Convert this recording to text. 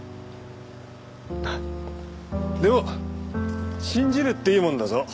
でも信じるっていいもんだぞ。